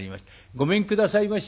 「ごめんくださいまし。